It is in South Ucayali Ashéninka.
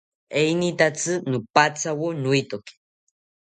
Enitatzi nopathawo noetoki